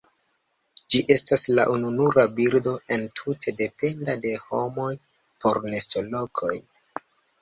Ĝi estas la ununura birdo entute dependa de homoj por nestolokoj.